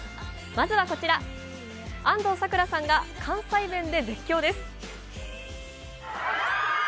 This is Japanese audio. まずはこちら、安藤サクラさんが関西弁で絶叫です。